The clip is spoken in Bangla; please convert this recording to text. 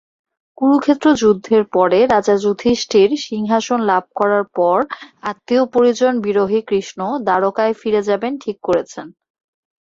কুরুক্ষেত্র যুদ্ধের পরে রাজা যুধিষ্ঠির সিংহাসন লাভ করবার পর আত্মীয়পরিজন-বিরহী কৃষ্ণ দ্বারকায় ফিরে যাবেন ঠিক করেছেন।